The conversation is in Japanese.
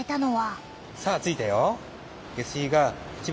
さあ着いたよ。